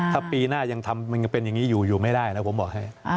ถ้าปีหน้ายังทำมันยังเป็นอย่างนี้อยู่อยู่ไม่ได้นะผมบอกให้